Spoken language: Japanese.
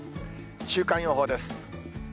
週間予報です。